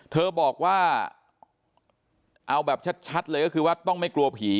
เธอบอกว่าเอาแบบชัดเลยก็คือว่าต้องไม่กลัวผี